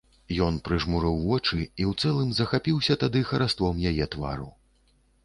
Ён прыжмурыў вочы і ў цэлым захапіўся тады хараством яе твару.